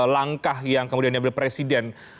langkah yang kemudian diambil presiden